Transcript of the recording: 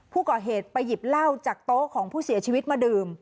ผู้ก่อเหตุไปหยิบเหล้าจากโต๊ะของผู้เสียชีวิตมาดื่ม